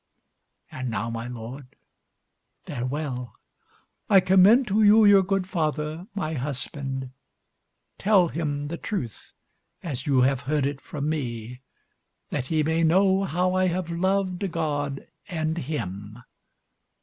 And now, my lord, farewell; I commend to you your good father, my husband. Tell him the truth as you have heard it from me, that he may know how I have loved God and him.